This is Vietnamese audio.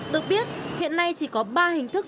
được biết hiện nay chỉ có ba hình thức